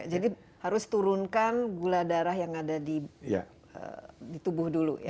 jadi harus turunkan gula darah yang ada di tubuh dulu ya